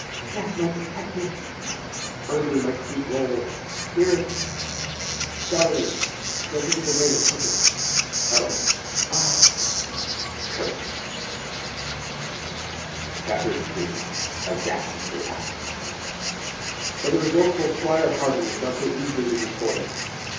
"Jack, my protector!" "Ermie, my sweet roll!" "Dearest!" "Darling!—and don't forget that ring at Perkins'." "Oh!" "Ah!" [Curtain] Chapter III: A Dastardly Act[edit] But the resourceful 'Squire Hardman was not so easily to be foiled.